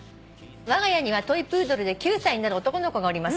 「わが家にはトイプードルで９歳になる男の子がおります」